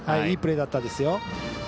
いいプレーだったですよ。